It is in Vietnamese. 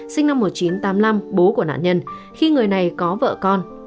sinh năm một nghìn chín trăm tám mươi năm bố của nạn nhân khi người này có vợ con